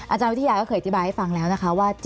อาจารย์วิทยาก็เคยอธิบายให้ฟังแล้วนะคะว่า